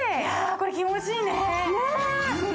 これは気持ちいいね。